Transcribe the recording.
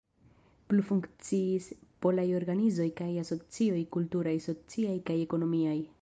Plu funkciis polaj organizoj kaj asocioj kulturaj, sociaj kaj ekonomiaj.